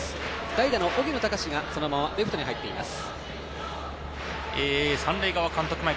代打の荻野貴司がそのままレフトに入っています。